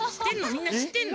みんなしってんの？